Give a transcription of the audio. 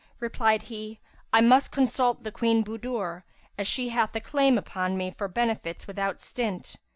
Replied he, "I must consult the Queen Budur, as she hath a claim upon me for benefits without stint."